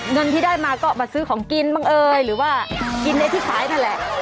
เงินที่ได้มาก็มาซื้อของกินบ้างเอ่ยหรือว่ากินในที่ขายนั่นแหละ